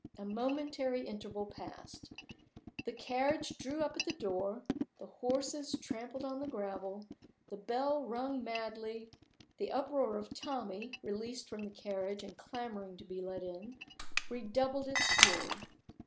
A momentary interval passed. The carriage drew up at the door; the horses trampled on the gravel; the bell rung madly; the uproar of Tommie, released from the carriage and clamoring to be let in, redoubled its fury.